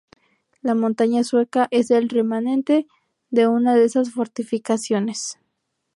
La Montaña Sueca es el remanente de una de esas fortificaciones.